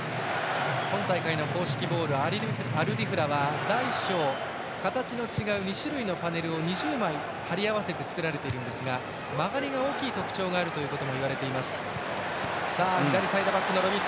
今大会の公式ボールアル・リフラは大小、形の違う２種類のパネルを２０枚貼り合わせて作られているんですが曲がりが大きいという特徴があるともいわれています。